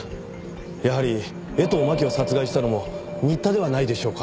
やはり江藤真紀を殺害したのも新田ではないでしょうか。